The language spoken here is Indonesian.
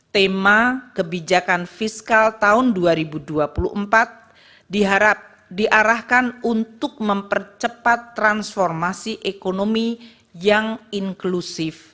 tema kebijakan fiskal tahun dua ribu dua puluh empat diarahkan untuk mempercepat transformasi ekonomi yang inklusif